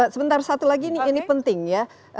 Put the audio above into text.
sebentar satu lagi ini penting ya